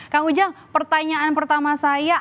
kang ujang pertanyaan pertama saya